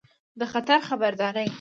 د خطر خبرداری